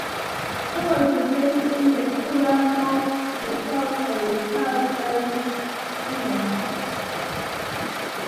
He was replaced in the Quorum of the Twelve by Richard L. Evans.